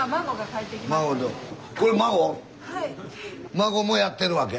孫もやってるわけ？